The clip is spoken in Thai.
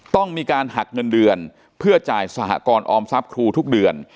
ต้องมีการหักเงินเดือนเพื่อจ่ายสหกรออมทรัพย์ครูทุกเดือน